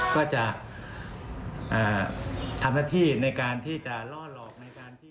ก็จะทำหน้าที่ในการที่จะล่อหลอกในการที่